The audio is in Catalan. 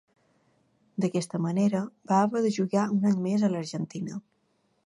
D'aquesta manera, va haver de jugar un any més a l'Argentina.